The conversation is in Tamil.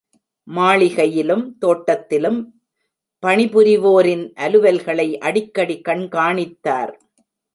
மாளிகையிலும் தோட்டத்திலும் பனிபுரிவோரின் அலுவல்களை அடிக்கடி கண்காணித்தார்.